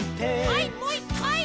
はいもう１かい！